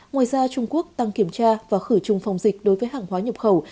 ngoài ra trung quốc tăng kiểm tra và khử trùng phòng dịch đối với hàng hóa nhập khẩu